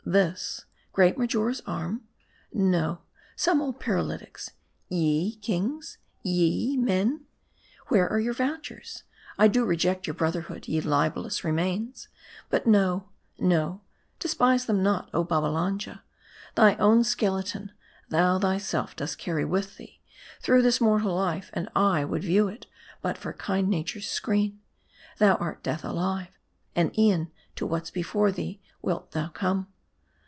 'This, great Mar jora's arm ? No, some old paralytic's. Ye, kings ? ye, men ? Where are your vouchers ? I do reject your brother hood, ye libelous remains. But no, no ; despise them not, oh Babbalanja ! Thy own. skeleton, thou thyself dost carry with thee, through this mortal life ; and aye would view it, but for kind nature's screen ; thou art death alive ; and e'en to what's before thee wilt thou come.